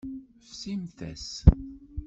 Fsimt-as.